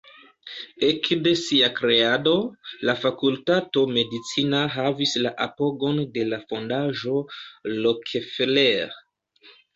Ekde sia kreado, la Fakultato Medicina havis la apogon de la Fondaĵo Rockefeller.